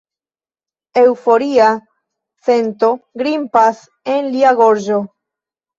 Eŭforia sento grimpas en lia gorĝo.